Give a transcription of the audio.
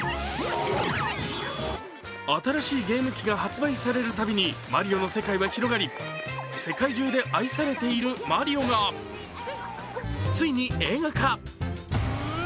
新しいゲーム機が発売されるたびにマリオの世界は広がり、世界中で愛されているマリオがついに映画化！